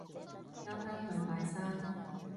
啱啱去拜山